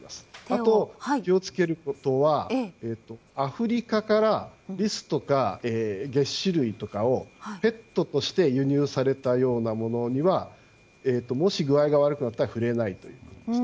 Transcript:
あと、気を付けることはアフリカからリスとかのげっ歯類とかをペットとして輸入されたものにはもし具合が悪くなったら触れないということです。